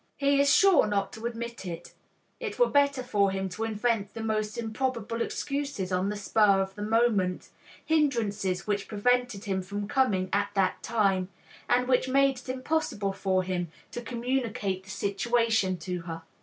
He is sure not to admit it, it were better for him to invent the most improbable excuses on the spur of the moment, hindrances which prevented him from coming at that time, and which made it impossible for him to communicate the situation to her.